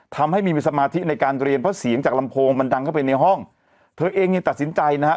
ทำให้มีสมาธิในการเรียนเพราะเสียงจากลำโพงมันดังเข้าไปในห้องเธอเองยังตัดสินใจนะฮะ